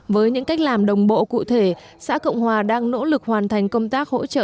với những cách làm đồng bộ cụ thể xã cộng hòa đang nỗ lực hoàn thành công tác hỗ trợ